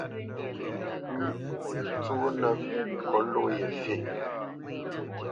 Pʉ̌ tsónə́ kot ló ye fî.